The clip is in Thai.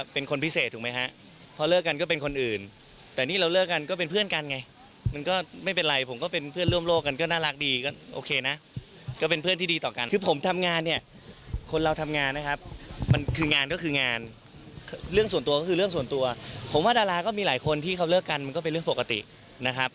พี่เขาเลิกกันมันก็เป็นเรื่องปกตินะครับ